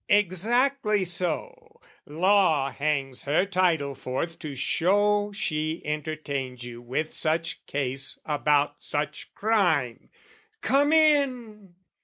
Exactly so, Law hangs her title forth, To show she entertains you with such case About such crime: come in!